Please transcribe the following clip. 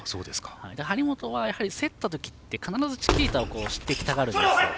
張本が競った時って必ず、チキータをしてきたがるんですよ。